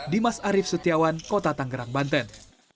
dimas arief setiawan kota tanggerang banten